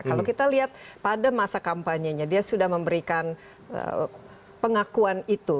kalau kita lihat pada masa kampanyenya dia sudah memberikan pengakuan itu